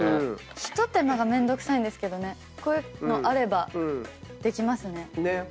一手間がめんどくさいんですけどこういうのあればできますね。